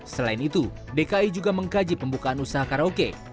selain itu dki juga mengkaji pembukaan usaha karaoke